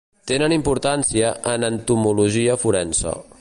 Tenen importància en entomologia forense.